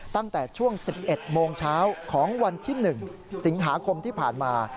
ตั้งแต่ช่วง๑๑โมงเช้าของวันที่๑สิงหาคมที่ผ่านมา